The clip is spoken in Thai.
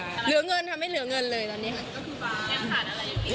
เหลือเงินค่ะไม่เหลือเงินเลยตอนนี้ค่ะ